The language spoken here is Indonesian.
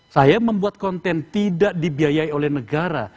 saya membuat konten tidak dibiayai oleh negara